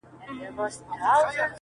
او لا ګورم چي ترټلی د بادار یم،